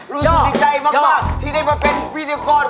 รู้สึกดีใจมากที่ได้มาเป็นพิธีกร